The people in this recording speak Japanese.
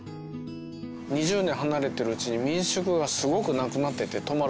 ２０年離れてるうちに民宿がすごくなくなってて泊まるとこが。